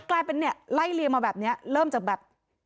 กลายเป็นเนี่ยไล่เลียงมาแบบนี้เริ่มจากแบบ